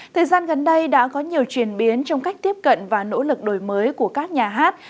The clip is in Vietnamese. thời gian gần đây đã có nhiều chuyển biến trong cách tiếp cận và nỗ lực đổi mới của các nhà hát